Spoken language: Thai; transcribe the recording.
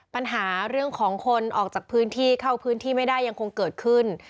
ปัญหาเรื่องของคนออกจากพื้นที่เข้าพื้นที่ไม่ได้ยังคงเกิดขึ้น